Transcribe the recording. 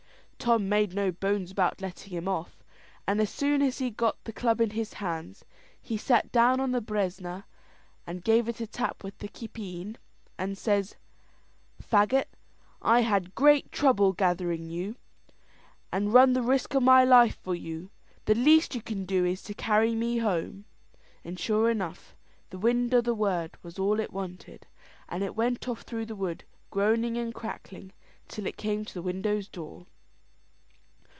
Tom made no bones about letting him off; and as soon as he got the club in his hands, he sat down on the bresna, and gave it a tap with the kippeen, and says, "Faggot, I had great trouble gathering you, and run the risk of my life for you, the least you can do is to carry me home." And sure enough, the wind o' the word was all it wanted. It went off through the wood, groaning and crackling, till it came to the widow's door.